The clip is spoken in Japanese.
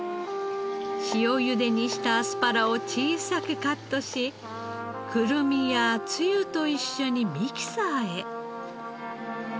塩ゆでにしたアスパラを小さくカットしくるみやつゆと一緒にミキサーへ。